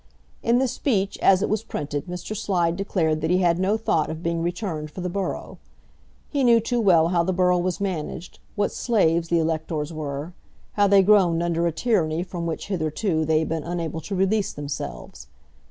In the speech as it was printed Mr. Slide declared that he had no thought of being returned for the borough. He knew too well how the borough was managed, what slaves the electors were; how they groaned under a tyranny from which hitherto they had been unable to release themselves.